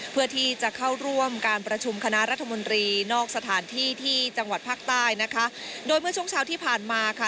เพื่อที่จะเข้าร่วมการประชุมคณะรัฐมนตรีนอกสถานที่ที่จังหวัดภาคใต้นะคะโดยเมื่อช่วงเช้าที่ผ่านมาค่ะ